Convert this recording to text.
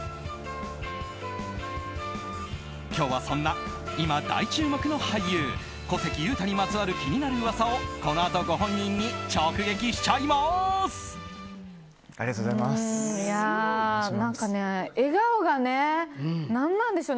今日は、そんな今大注目の俳優小関裕太にまつわる気になるうわさをこのあと、ご本人にありがとうございます。